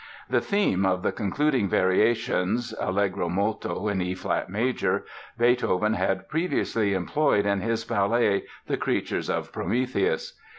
The theme of the concluding variations ("Allegro molto" in E flat major) Beethoven had previously employed in his ballet, The Creatures of Prometheus.